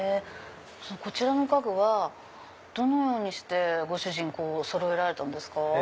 こちらの家具はどのようにしてご主人そろえられたんですか？